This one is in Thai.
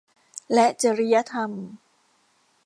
และจริยธรรม